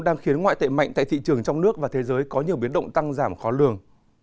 đang khiến ngoại tệ mạnh tại thị trường trong nước và thế giới có nhiều biến động tăng giảm khó lường